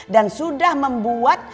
dan sudah membuat